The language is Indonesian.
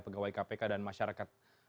pegawai kpk dan masyarakat